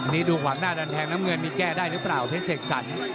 นี่ดูขวางหน้าดันแทงน้ำเงินมีแก้ได้หรือเปล่าเพชรเสกสรร